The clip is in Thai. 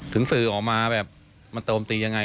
ถึงสื่อออกมาแบบมาโตมตียังไง